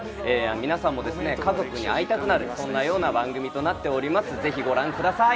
皆さんも家族に会いたくなる、そんなような番組となっております、ぜひご覧ください。